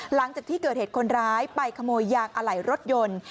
หลังจากที่เกิดเหตุคนร้ายไปขโมยยางอะไหล่รถยนต์